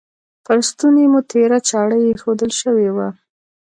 پر ستوني مو تیره چاړه ایښودل شوې وه.